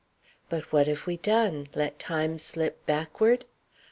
But what have we done let time slip backward?